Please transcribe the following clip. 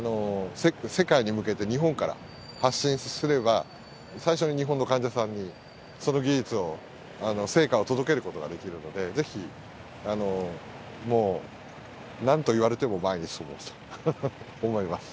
世界に向けて日本から発信すれば最初に日本の患者さんにその技術を成果を届けることができるのでぜひもうなんと言われても前に進もうと思います。